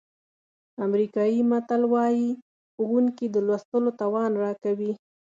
امریکایي متل وایي ښوونکي د لوستلو توان راکوي.